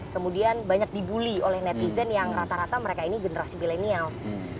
kemudian banyak dibully oleh netizen yang rata rata mereka ini generasi milenials